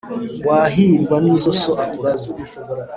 Wahirwa n'izo so akuraze